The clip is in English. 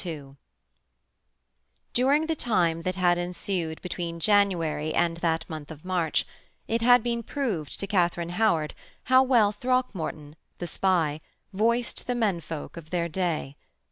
II During the time that had ensued between January and that month of March, it had been proved to Katharine Howard how well Throckmorton, the spy, voiced the men folk of their day.